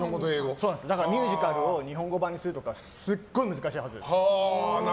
だからミュージカルを日本語版にするのとかすっごい難しいはずです。